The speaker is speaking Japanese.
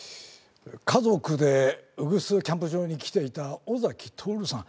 家族で宇久須キャンプ場に来ていた尾崎徹さん